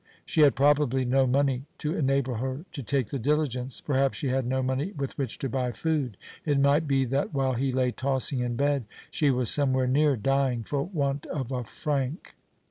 She had probably no money to enable her to take the diligence. Perhaps she had no money with which to buy food. It might be that while he lay tossing in bed she was somewhere near, dying for want of a franc.